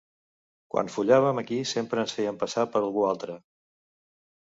Quan follàvem aquí sempre ens fèiem passar per algú altre.